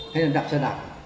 hay là đạp xe đạp